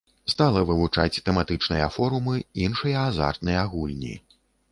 Стала вывучаць тэматычныя форумы, іншыя азартныя гульні.